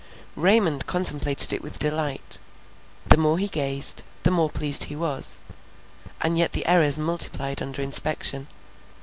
Raymond contemplated it with delight; the more he gazed, the more pleased he was; and yet the errors multiplied under inspection.